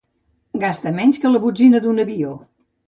Gasta menys que la botzina d'un avió.